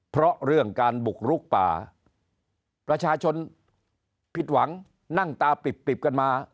เพราะเรื่องการบุกลุกป่าประชาชนผิดหวังนั่งตาปริบกันมา